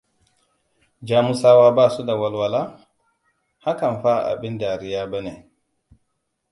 Jamusawa ba su da walwala? Hakan fa abin dariya ba ne.